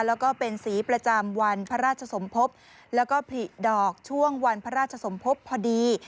แล้วก็เป็นสีประจำวันพระราชสมภพแล้วก็ผลิดอกช่วงวันพระราชสมภพพอดี